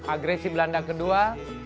agresi belanda kedua